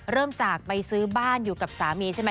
เริ่มจากไปซื้อบ้านอยู่กับสามีใช่ไหม